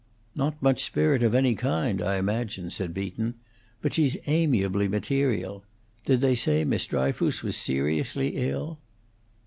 "Not much spirit of any kind, I imagine," said Beaton. "But she's amiably material. Did they say Miss Dryfoos was seriously ill?"